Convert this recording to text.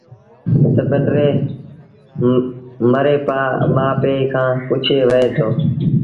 تا پنڊري مري مآ پي کآݩ پُڇي وهي دو